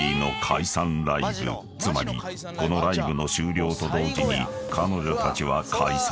［つまりこのライブの終了と同時に彼女たちは解散］